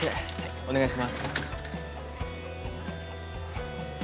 お願いします